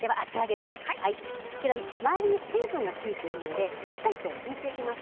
こちら周りに水分がついていますのでしっかり拭いていきます。